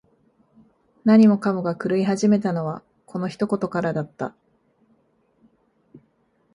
何もかもが狂い始めたのは、この一言からだった。